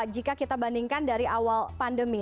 jika kita bandingkan dari awal pandemi